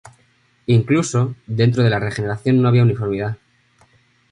Incluso, dentro de la Regeneración no había uniformidad.